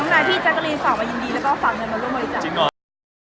น้องนายพี่แจ๊คโกรีนฝากมายินดีแล้วก็ฝากเงินมาร่วมบริจาค